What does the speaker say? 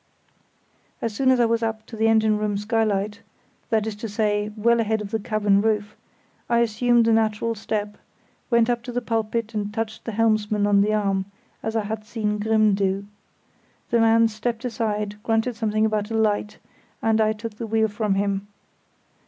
As soon as I was up to the engine room skylight (that is to say, well ahead of the cabin roof) I assumed a natural step, went up to the pulpit and touched the helmsman on the arm, as I had seen Grimm do. The man stepped aside, grunting something about a light, and I took the wheel from him.